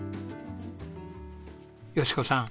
淑子さん